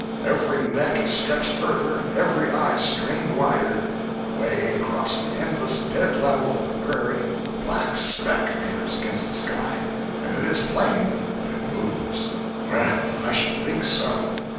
Every neck is stretched further, and every eye strained wider. Away across the endless dead level of the prairie a black speck appears against the sky, and it is plain that it moves. Well, I should think so!